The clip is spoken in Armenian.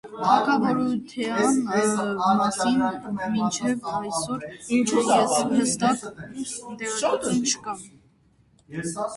Թագաւորութեան մասին մինչեւ այսօր, յստակ տեղեկութիւններ չկան։